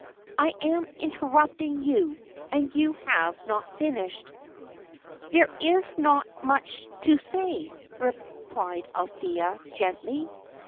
I am interrupting you, and you have not finished." "There is not much to say," replied Althea, gently.